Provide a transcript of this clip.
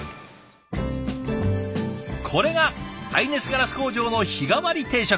これが耐熱ガラス工場の日替わり定食。